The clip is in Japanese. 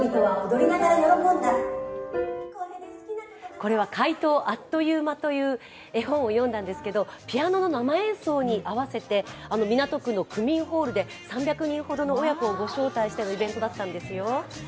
これは「怪盗あっというま」という絵本を読んだんですけどピアノの生演奏に合わせて港区の区民ホールで３００人ほどの親子をご紹介してのイベントだったんですよ。